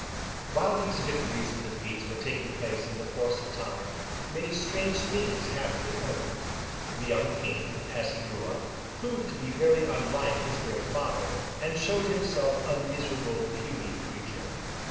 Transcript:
While these victories and defeats were taking place in the course of time, many strange things happened at home. The young King, as he grew up, proved to be very unlike his great father, and showed himself a miserable puny creature.